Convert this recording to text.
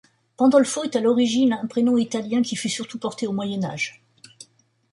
Pandolfo est à l'origine un prénom italien qui fut surtout porté au Moyen Âge.